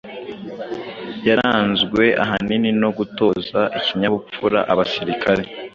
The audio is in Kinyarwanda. yaranzwe ahanini no gutoza ikinyabupfura abasirikare,